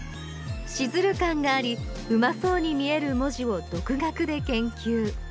シズル感がありうまそうに見せる文字を独学で研究。